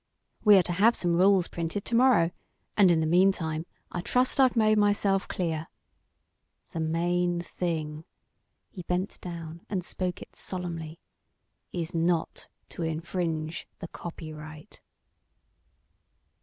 We are to have some rules printed to morrow, and in the meantime I trust I've made myself clear. The main thing" he bent down and spoke it solemnly "is not to infringe the copyright."